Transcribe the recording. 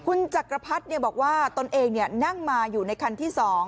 คุณจักรพรรดิบอกว่าตนเองนั่งมาอยู่ในคันที่๒